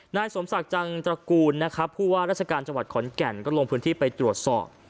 นายสมศักดิ์จังตระกูลนะครับผู้ว่าราชการจังหวัดขอนแก่นก็ลงพื้นที่ไปตรวจสอบ